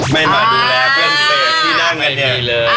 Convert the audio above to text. ไม่มาดูแลเพื่อนเด็กที่นั่งกันเนี้ยไม่มีเลย